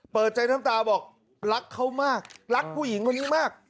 เปิดใจน้ำตาบอกรักเขามากรักผู้หญิงคนนี้มาก